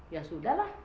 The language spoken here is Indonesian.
ya sudah lah